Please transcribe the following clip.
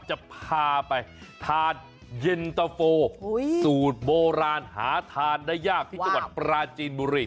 จะพาไปทานเย็นตะโฟสูตรโบราณหาทานได้ยากที่จังหวัดปราจีนบุรี